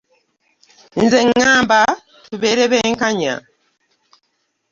Nze ŋŋamba tubeere benkanya.